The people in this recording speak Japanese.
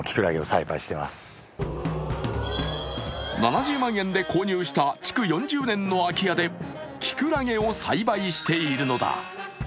７０万円で購入した築４０年の空き家できくらげを栽培しているのだ。